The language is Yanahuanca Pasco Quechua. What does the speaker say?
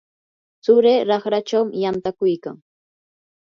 tsurii raqrachaw yantakuykan.